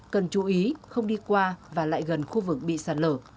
cần chú ý không đi qua và lại gần khu vực bị sạt lở